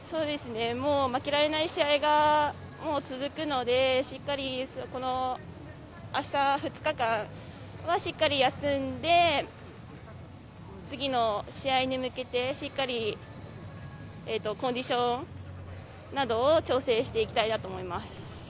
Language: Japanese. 負けられない試合が続くのであした、２日間はしっかり休んで次の試合に向けしっかりコンディションなどを調整していきたいと思います。